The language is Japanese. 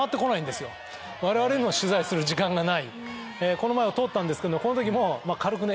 この前を通ったんですけどこの時も軽くね